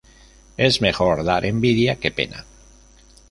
Es mejor dar envidia que pena